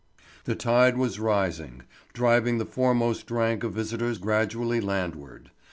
The tide was rising, driving the foremost rank of visitors gradually landward.